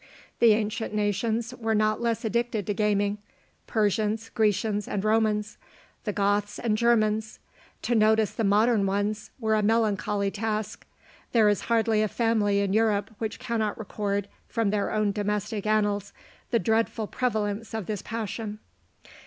The ancient nations were not less addicted to gaming: Persians, Grecians, and Romans; the Goths, and Germans. To notice the modern ones were a melancholy task: there is hardly a family in Europe which cannot record, from their own domestic annals, the dreadful prevalence of this passion.